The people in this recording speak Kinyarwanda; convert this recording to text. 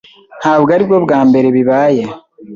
Ntabwo aribwo bwa mbere bibaye.